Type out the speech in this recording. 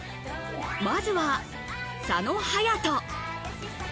まずは、佐野勇斗。